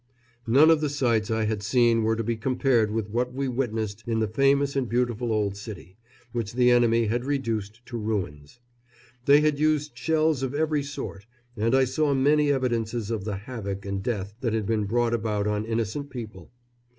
None of the sights I had seen were to be compared with what we witnessed in the famous and beautiful old city, which the enemy had reduced to ruins. They had used shells of every sort, and I saw many evidences of the havoc and death that had been brought about on innocent people.